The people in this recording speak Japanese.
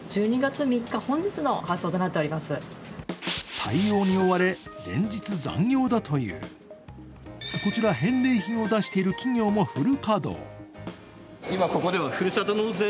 対応に追われ、連日残業だというこちら返礼品を出している企業もフル稼働。